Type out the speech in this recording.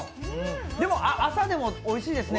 でも、朝でもおいしですね。